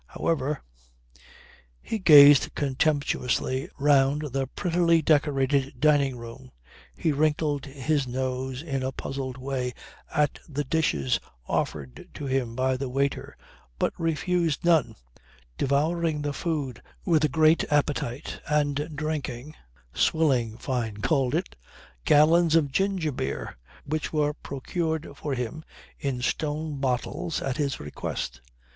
However ... He gazed contemptuously round the prettily decorated dining room. He wrinkled his nose in a puzzled way at the dishes offered to him by the waiter but refused none, devouring the food with a great appetite and drinking ("swilling" Fyne called it) gallons of ginger beer, which was procured for him (in stone bottles) at his request.